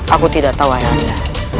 aku tidak tahu ayanda